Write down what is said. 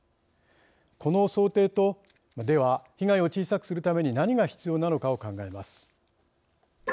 この想定とでは、被害を小さくするために何が必要なのかを考えます。